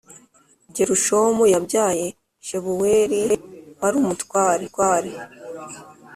Gerushomu yabyaye Shebuweliv wari umutware